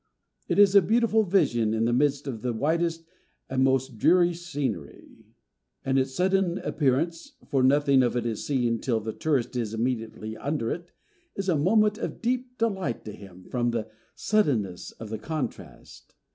It is a beautiful vision in the midst of the wildest and most dreary scenery; and its sudden appearance—for nothing of it is seen till the tourist is immediately under it—is a moment of deep delight to him from the suddenness of the contrast.